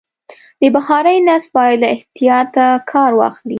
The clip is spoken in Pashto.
د بخارۍ نصب باید له احتیاطه کار واخلي.